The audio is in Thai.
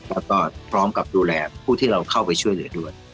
แล้วก็พร้อมกับดูแลผู้ที่เราเข้าไปช่วยเหลือด้วย